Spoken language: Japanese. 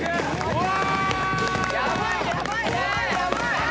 うわ！